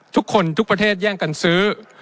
ทุกคนทุกประเทศแย่งกันซื้อ